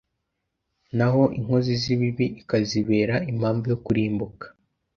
naho inkozi z'ibibi ikazibera impamvu yo kurimbuka